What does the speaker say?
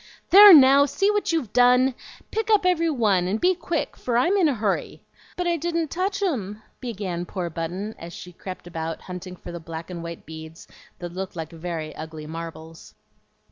"There, now see what you've done! Pick up every one, and be quick, for I'm in a hurry." "But I didn't touch 'em," began poor Button, as she crept about hunting for the black and white beads that looked like very ugly marbles.